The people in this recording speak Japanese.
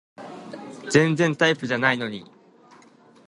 全然タイプじゃないのに